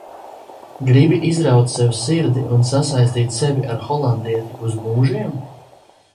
Gribi izraut sev sirdi un sasaistīt sevi ar Holandieti uz mūžiem?